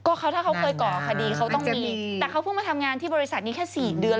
เขาถ้าเขาเคยก่อคดีเขาต้องมีแต่เขาเพิ่งมาทำงานที่บริษัทนี้แค่สี่เดือน